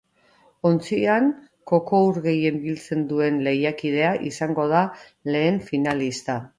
Ontzian koko-ur gehien biltzen duen lehiakidea izango da lehen finalista.